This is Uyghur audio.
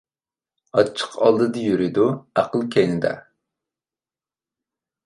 ئاچچىق ئالدىدا يۈرىدۇ، ئەقىل كەينىدە.